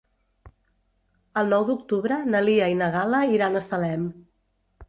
El nou d'octubre na Lia i na Gal·la iran a Salem.